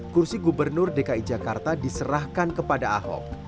kursi gubernur dki jakarta diserahkan kepada ahok